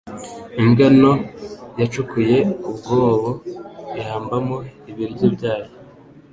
Imbwa nto yacukuye umwobo ihambamo ibiryo byayo.